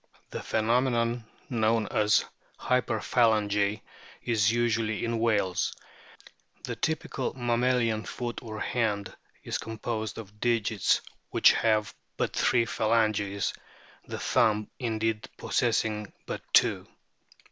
The phenom enon known as " Hyperphalangy " is usual in whales. The typical mammalian foot or hand is composed of 20 A BOOK OF WHALES digits which have but three phalanges, the thumb indeed possessing but two.